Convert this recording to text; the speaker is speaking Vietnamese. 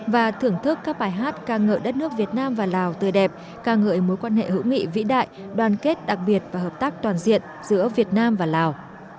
và thưởng thức các bài hát ca ngợi đất nước việt nam và lào tươi đẹp ca ngợi mối quan hệ hữu nghị vĩ đại đoàn kết đặc biệt và hợp tác toàn diện giữa việt nam và lào